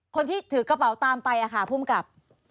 คนที่ถือกระเป๋าตามไปค่ะภูมิกับ